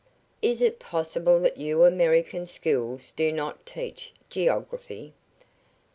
"Is it possible that your American schools do not teach geography?